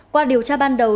qua điều tra ban đầu